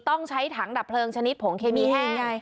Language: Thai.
ต้องใช้ถังดับเพลิงชนิดผงเคมีแห้งไง